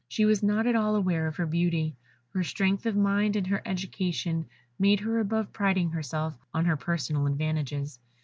She was not at all aware of her beauty; her strength of mind and her education made her above priding herself on her personal advantages.